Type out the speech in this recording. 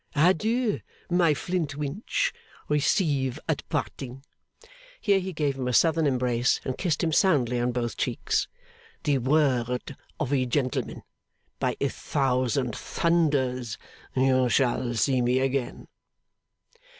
Adieu, my Flintwinch. Receive at parting;' here he gave him a southern embrace, and kissed him soundly on both cheeks; 'the word of a gentleman! By a thousand Thunders, you shall see me again!